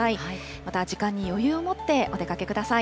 また時間に余裕を持ってお出かけください。